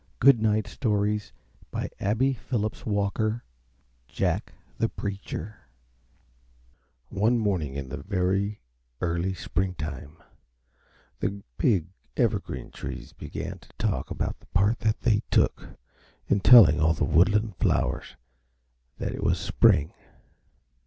JACK THE PREACHER [Illustration: Jack the Preacher] One morning in very early springtime the big Evergreen Trees began to talk about the part they took in telling all the woodland flowers that it was spring.